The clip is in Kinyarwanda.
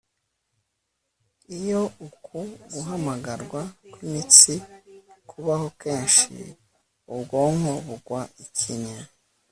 iyo uku guhamagarwa kw'imitsi kubaho kenshi, ubwonko bugwa ikinya